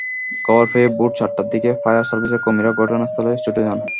খবর পেয়ে ভোর চারটার দিকে ফায়ার সার্ভিসের কর্মীরা ঘটনাস্থলে ছুটে যান।